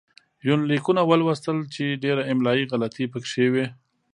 يونليکونه ولوستل چې ډېره املايي غلطي پکې وې